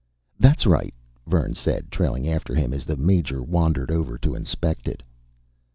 "That's right," Vern said, trailing after him as the Major wandered over to inspect it.